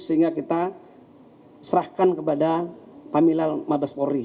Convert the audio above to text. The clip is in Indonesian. sehingga kita serahkan kepada pamilal mabespori